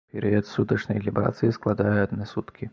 Перыяд сутачнай лібрацыі складае адны суткі.